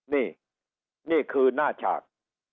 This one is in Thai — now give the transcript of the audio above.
นี่นี่คือหน้าฉาก